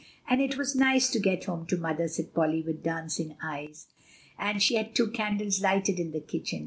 "And it was nice to get home to mother," said Polly with dancing eyes "and she had two candles lighted in the kitchen.